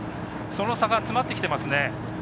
その差が詰まってきてますね。